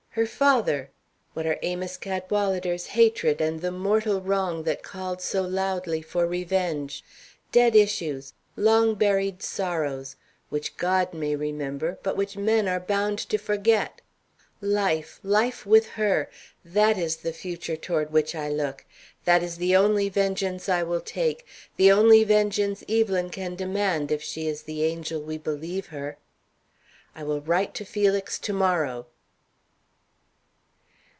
Her father. What are Amos Cadwalader's hatred and the mortal wrong that called so loudly for revenge? Dead issues, long buried sorrows, which God may remember, but which men are bound to forget. Life, life with her! That is the future toward which I look; that is the only vengeance I will take, the only vengeance Evelyn can demand if she is the angel we believe her. I will write to Felix to morrow.